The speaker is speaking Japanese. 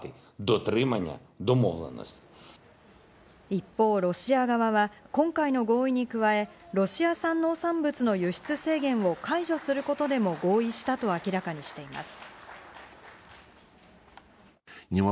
一方、ロシア側は今回の合意に加え、ロシア産農産物の輸出制限を解除することでも合意したと明らかにしています。